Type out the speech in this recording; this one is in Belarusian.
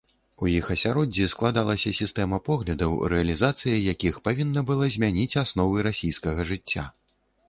У іх асяроддзі складалася сістэма поглядаў, рэалізацыя якіх павінна была змяніць асновы расійскага жыцця.